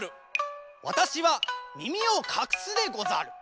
わたしはみみをかくすでござる。